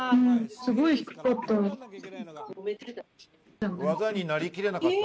すごい低かった。